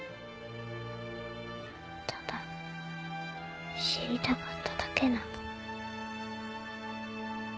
ただ知りたかっただけなの。